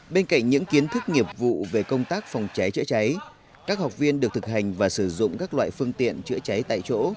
bên cạnh những kiến thức nghiệp vụ về công tác phòng cháy chữa cháy các học viên được thực hành và sử dụng các loại phương tiện chữa cháy tại chỗ